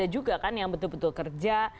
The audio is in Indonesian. ada juga kan yang betul betul kerja